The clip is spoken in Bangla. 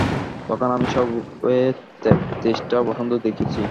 তখন আমি সবে তেইশটা বসন্ত দেখেছি।